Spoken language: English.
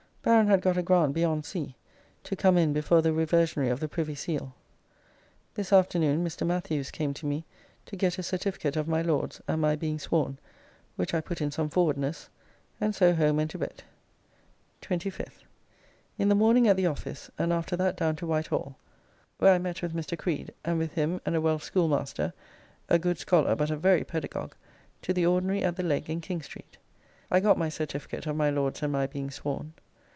Baron had got a grant beyond sea, to come in before the reversionary of the Privy Seal. This afternoon Mr. Mathews came to me, to get a certificate of my Lord's and my being sworn, which I put in some forwardness, and so home and to bed. 25th. In the morning at the office, and after that down to Whitehall, where I met with Mr. Creed, and with him and a Welsh schoolmaster, a good scholar but a very pedagogue, to the ordinary at the Leg in King Street.' I got my certificate of my Lord's and my being sworn.